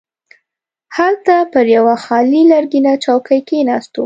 هلته پر یوه خالي لرګینه چوکۍ کښیناستو.